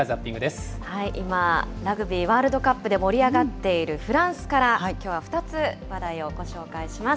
今、ラグビーワールドカップで盛り上がっているフランスから、きょうは２つ話題をご紹介します。